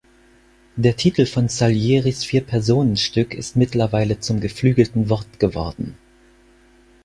Der Titel von Salieris Vier-Personen-Stück ist mittlerweile zum geflügelten Wort geworden.